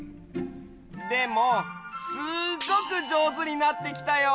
でもすっごくじょうずになってきたよ！